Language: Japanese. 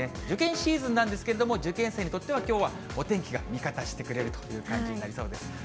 受験シーズンなんですけれども、受験生にとっては、きょうはお天気が味方してくれるという感じになりそうです。